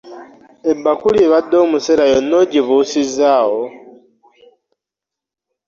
Ebbakuli ebadde omusera yonna ogibuusizzaawo?